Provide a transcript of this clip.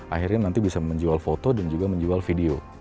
akhirnya nanti bisa menjual foto dan juga menjual video